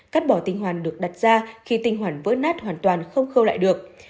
cắt bỏ tinh hoàn được đặt ra khi tinh hoàn vỡ nát hoàn toàn không khâu lại được